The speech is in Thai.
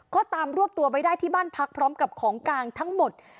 ก็ตามรวบตัวไว้ได้ที่บ้านพักพร้อมกับของกลางทั้งหมด